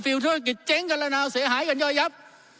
คือฟิวเท่ากิจเจ๊งกันละนาวเสียหายกันย่อยยับ